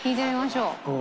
うん。